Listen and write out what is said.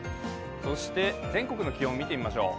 そして、全国の気温を見てみましょう。